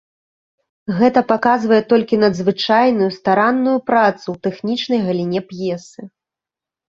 Гэта паказвае толькі надзвычайную старанную працу ў тэхнічнай галіне п'есы.